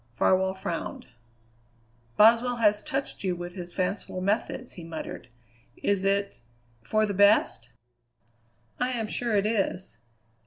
Farwell frowned. "Boswell has touched you with his fanciful methods," he muttered; "is it for the best?" "I am sure it is.